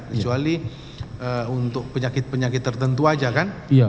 kecuali untuk penyakit penyakit tertentu aja kan